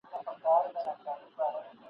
دا غزل مي د خپل زړه په وینو سره سوه !.